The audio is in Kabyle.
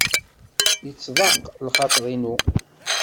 Yettḍaq lxaḍer-inu.